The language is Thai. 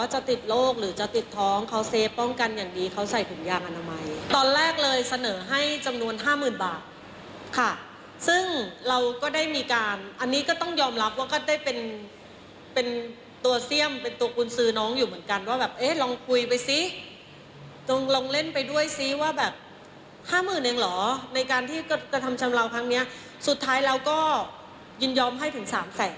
จะติดโรคหรือจะติดท้องเขาเซฟป้องกันอย่างดีเขาใส่ถุงยางอนามัยตอนแรกเลยเสนอให้จำนวนห้าหมื่นบาทค่ะซึ่งเราก็ได้มีการอันนี้ก็ต้องยอมรับว่าก็ได้เป็นเป็นตัวเสี่ยมเป็นตัวกุญสือน้องอยู่เหมือนกันว่าแบบเอ๊ะลองคุยไปซิงลองเล่นไปด้วยซิว่าแบบห้าหมื่นเองเหรอในการที่กระทำชำราวครั้งเนี้ยสุดท้ายเราก็ยินยอมให้ถึงสามแสน